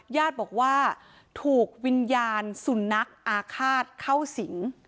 ญาติบอกว่าถูกวิญญาณสุนัขอาฆาตเข้าสิง